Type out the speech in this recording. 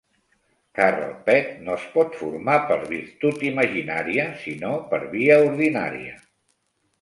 Car el pet no es pot formar per virtut imaginària, sinó per via ordinària.